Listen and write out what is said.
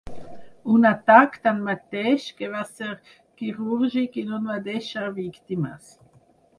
Un atac, tanmateix, que va ser quirúrgic i no va deixar víctimes.